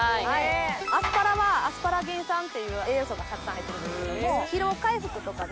アスパラはアスパラギン酸っていう栄養素がたくさん入ってるんですけども疲労回復とかね。